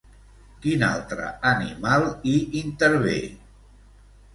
Quin altre animal hi intervé?